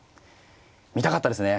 見たかったですね